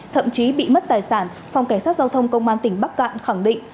thậm chí bị mất tài sản phòng cảnh sát giao thông công an tỉnh bắc cạn khẳng định